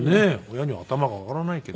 親には頭が上がらないけど。